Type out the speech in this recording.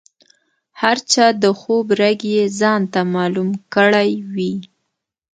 هر چا د خوب رګ یې ځانته معلوم کړی وي.